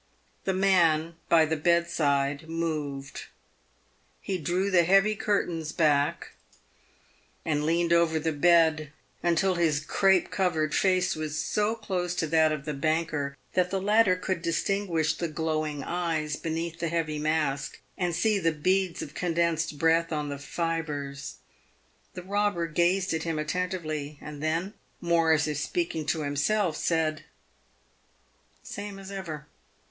The man by the bedside moved. He drew the heavy curtains back, $ M PAVED WITH GOLD. 403 and leaned over the bed until his crape covered face was so close to that of the banker, that the latter could distinguish the glowiug eyes beneath the heavy mask, and see the beads of condensed breath on the fibres. The robber gazed at him attentively, and then, more as if speaking to himself, said, " The same as ever.